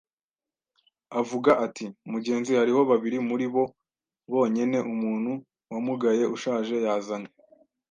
Avuga ati: “Mugenzi, hariho babiri muri bo bonyene; umuntu wamugaye ushaje yazanye